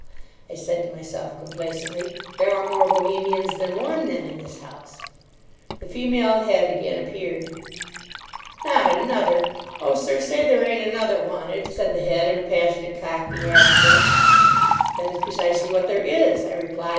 I said to myself complacently, "there are more Bohemians than one, then, in this house." The female head again appeared. "Not another? Oh, sir, say there ain't another wanted," said the head in a passionate Cockney accent. "That is precisely what there is," I replied.